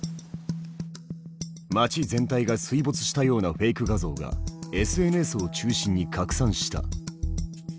町全体が水没したようなフェイク画像がＳＮＳを中心に拡散した。